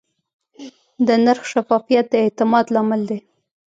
د نرخ شفافیت د اعتماد لامل دی.